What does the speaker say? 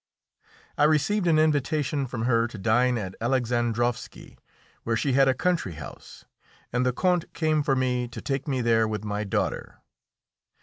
I received an invitation from her to dine at Alexandrovski, where she had a country house, and the Count came for me to take me there with my daughter.